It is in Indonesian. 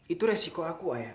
itu resiko aku ayah